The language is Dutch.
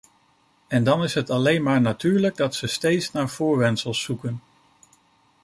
En dan is het alleen maar natuurlijk dat ze steeds naar voorwendsels zoeken.